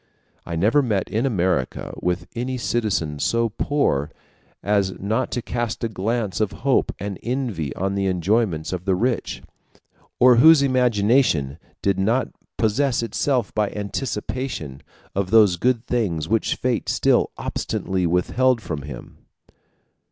I never met in America with any citizen so poor as not to cast a glance of hope and envy on the enjoyments of the rich, or whose imagination did not possess itself by anticipation of those good things which fate still obstinately withheld from him.